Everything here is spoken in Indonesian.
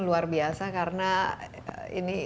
luar biasa karena ini